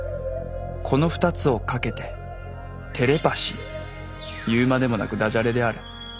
この２つをかけて言うまでもなくダジャレである。